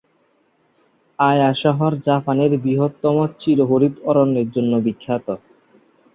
আয়া শহর জাপানের বৃহত্তম চিরহরিৎ অরণ্যের জন্য বিখ্যাত।